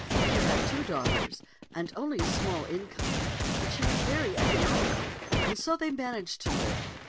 She had two daughters and only a small income, but she was very economical, and so they managed to live.